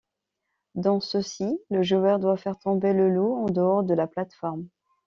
Dans ceux-ci, le joueur doit faire tomber le loup en dehors de la plate-forme.